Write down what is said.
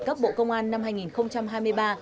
cấp bộ công an năm hai nghìn hai mươi ba